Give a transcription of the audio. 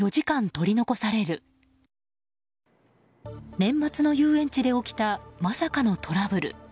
年末の遊園地で起きたまさかのトラブル。